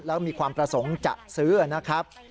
แล้วมีความประสงค์จะซื้อนะครับ